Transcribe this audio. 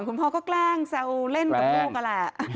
คุณพ่อก็กล้างเศร้าเล่นกับลูกก็ล่ะ